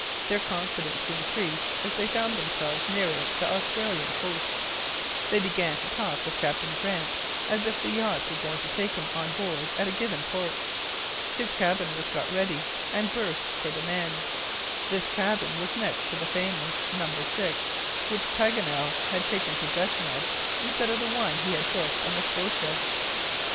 Their confidence increased as they found themselves nearer the Australian coast. They began to talk of Captain Grant as if the yacht were going to take him on board at a given port. His cabin was got ready, and berths for the men. This cabin was next to the famous number six, which Paganel had taken possession of instead of the one he had booked on the SCOTIA.